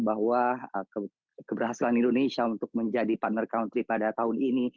bahwa keberhasilan indonesia untuk menjadi partner country pada tahun ini